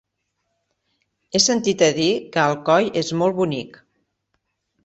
He sentit a dir que Alcoi és molt bonic.